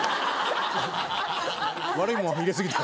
悪いもの入れ過ぎた。